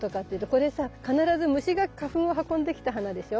これさ必ず虫が花粉を運んできた花でしょ？